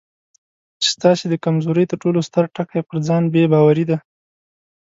چې ستاسې د کمزورۍ تر ټولو ستر ټکی پر ځان بې باوري ده.